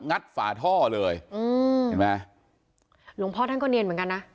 ฝาท่อเลยอืมเห็นไหมหลวงพ่อท่านก็เนียนเหมือนกันนะ